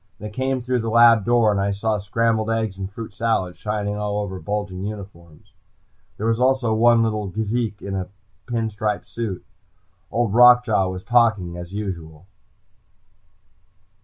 They came through the lab door, and I saw scrambled eggs and fruit salad shining all over bulging uniforms. There was also one little geezik in a pin striped suit. Old Rock Jaw was talking, as usual.